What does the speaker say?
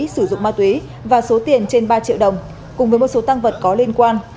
sử dụng ma túy và số tiền trên ba triệu đồng cùng với một số tăng vật có liên quan